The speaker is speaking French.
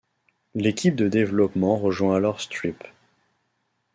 L'équipe de développement rejoint alors Stripe.